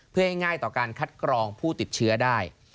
เพื่อให้ง่ายต่อการคัดกรองผู้ติดเชื้อได้